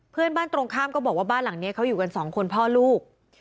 เพื่อนบ้านตรงข้ามก็บอกว่าบ้านหลังนี้เขาอยู่กันสองคนพ่อลูก